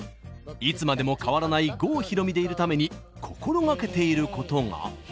いつまでも変わらない郷ひろみでいるために心がけていることが。